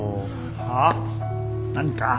はあ？何か？